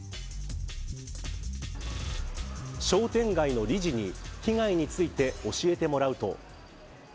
商店街の理事に被害について教えてもらうと。